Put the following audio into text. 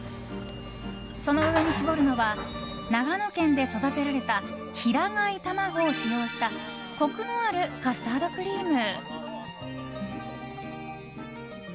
その上に絞るのは長野県で育てられた平飼い卵を使用したコクのあるカスタードクリーム。